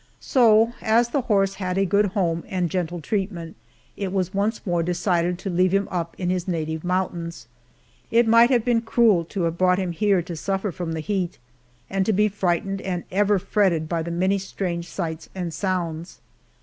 So, as the horse had a good home and gentle treatment, it was once more decided to leave him up in his native mountains. It might have been cruel to have brought him here to suffer from the heat, and to be frightened and ever fretted by the many strange sights and sounds.